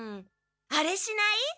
あれしない？